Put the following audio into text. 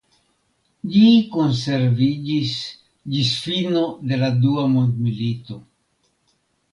Ĝi konserviĝis ĝis fino de la dua mondmilito.